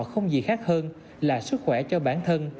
không gì khác hơn là sức khỏe cho bản thân